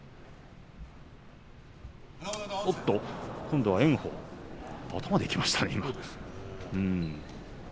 おっと、今度は炎鵬頭でいきましたね。